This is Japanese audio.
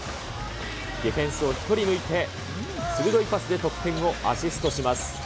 ディフェンスを１人抜いて、鋭いパスで得点をアシストします。